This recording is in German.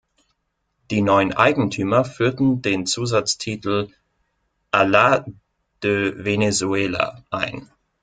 Die neuen Eigentümer führten den Zusatztitel „Alas de Venezuela“ ein.